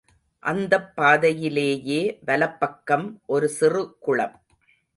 அந்தப் பாதையிலேயே வலப்பக்கம் ஒரு சிறுகுளம்.